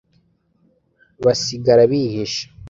basigara bihisha